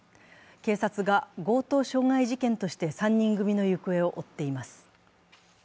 警察が強盗傷害事件として３人組の行方を追っています。